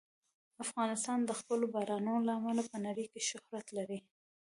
افغانستان د خپلو بارانونو له امله په نړۍ کې شهرت لري.